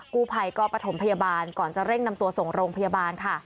กู้ภัยก็ประถมพยาบาลก่อนจะเร่งนำตัวส่งโรงพยาบาลค่ะ